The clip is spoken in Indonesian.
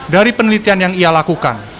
dari penelitian yang ia lakukan